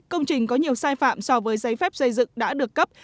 công trình có nhiều sai phạm so với giấy phép xây dựng đã được cấp